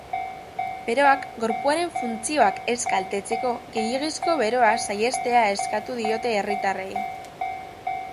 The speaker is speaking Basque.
Beroak gorpuaren funtzioak ez kaltetzeko, gehiegizko beroa saihestea eskatu diote herritarrei.